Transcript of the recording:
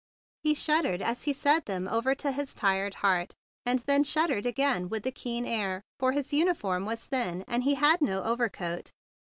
He shuddered as he said them over to his tired heart, and then shuddered again with the keen air; for his uniform was thin, and he had no overcoat.